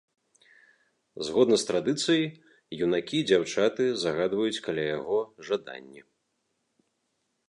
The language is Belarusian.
Згодна з традыцыяй, юнакі і дзяўчаты загадваюць каля яго жаданні.